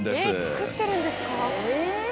作ってるんですか！